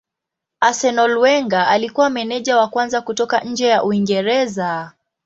Arsenal Wenger alikuwa meneja wa kwanza kutoka nje ya Uingereza.